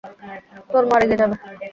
তোর মা রেগে যাবে।